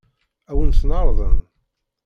Ad wen-ten-ɛeṛḍen?